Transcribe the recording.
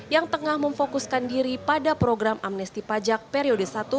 yang tengah memfokuskan diri pada program amnesti pajak periode satu